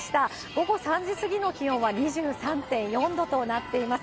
午後３時過ぎの気温は２３．４度となっています。